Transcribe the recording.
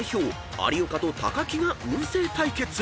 有岡と木が運勢対決］